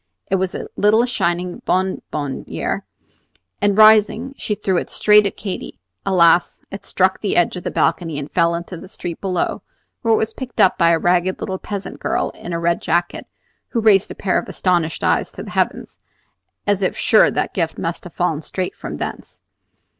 It was a little shining bonbonniere, and rising she threw it straight at Katy. Alas! it struck the edge of the balcony and fell into the street below, where it was picked up by a ragged little peasant girl in a red jacket, who raised a pair of astonished eyes to the heavens, as if sure that the gift must have fallen straight from thence.